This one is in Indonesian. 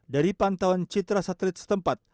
dari pantauan citra satelit setempat